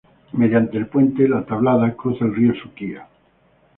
Mediante el puente La Tablada, cruza el río Suquía.